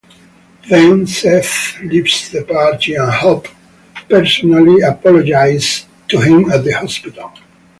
Then Seth leaves the party and Hope personally apologizes to him at the hospital.